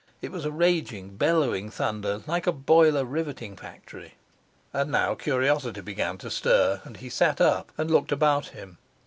It was a raging, bellowing thunder, like a boiler riveting factory. And now curiosity began to stir, and he sat up and looked about him.